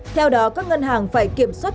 theo đó các ngân hàng phải kiểm soát